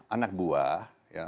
tujuh puluh lima anak buah